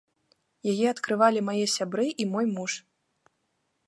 Яе адкрывалі мае сябры і мой муж.